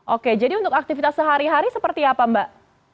oke jadi untuk aktivitas sehari hari seperti apa mbak